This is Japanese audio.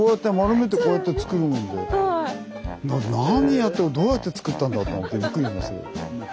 何やってどうやって作ったんだと思ってびっくりしましたけど。